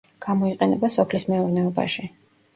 გამოიყენება სოფლის მეურნეობაში.